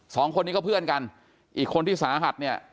สองคนนี้ก็เพื่อนกันอีกคนที่สาหัสเนี่ย